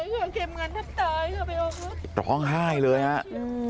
เวิกเลยเวิกเก็บเงินเท่าไหร่เหลือไปออกเวิก